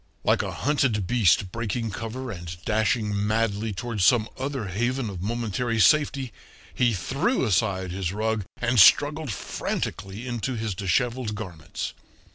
Like a hunted beast breaking cover and dashing madly toward some other haven of momentary safety he threw aside his rug, and struggled frantically into his disheveled garments.